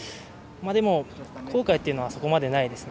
でも、後悔っていうのはそこまでないですね。